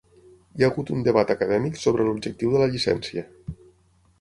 Hi ha hagut un debat acadèmic sobre l'objectiu de la llicència.